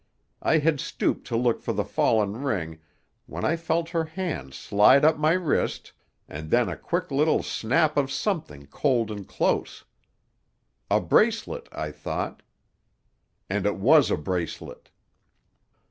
I had stooped to look for the fallen ring, when I felt her hand slide up my wrist, and then a quick little snap of something cold and close. A bracelet, I thought. And it was a bracelet!